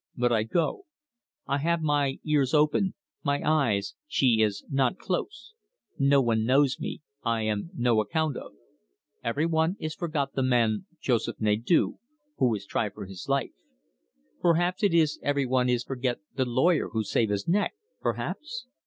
"But I go. I have my ears open; my eyes, she is not close. No one knows me I am no account of. Every one is forgot the man, Joseph Nadeau, who was try for his life. Perhaps it is every one is forget the lawyer who save his neck perhaps?